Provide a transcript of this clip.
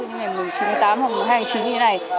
những ngày chín mươi tám hoặc hai nghìn chín như thế này